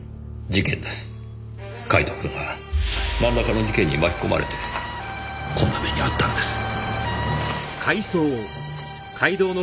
カイトくんはなんらかの事件に巻き込まれてこんな目に遭ったんです。